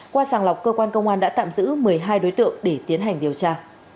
qua sàng lọc cơ quan công an đã tạm giữ một mươi hai đối tượng để tiến hành điều tra